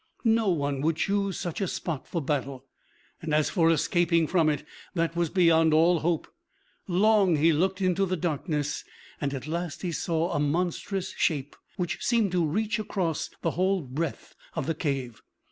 No one would choose such a spot for battle; and as for escaping from it, that was beyond all hope. Long he looked into the darkness, and at last he saw a monstrous shape, which seemed to reach across the whole breadth of the cave.